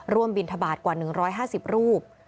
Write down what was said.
บินทบาทกว่า๑๕๐รูป